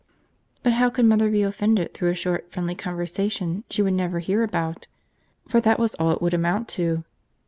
But how could Mother be offended through a short friendly conversation she would never hear about? For that was all it would amount to.